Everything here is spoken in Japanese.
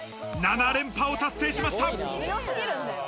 ７連覇を達成しました。